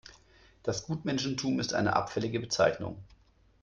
Das Gutmenschentum ist eine abfällige Bezeichnung.